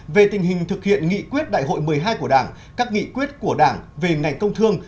về tình hình thực hiện nghị quyết đại hội một mươi hai của đảng các nghị quyết của đảng về ngành công thương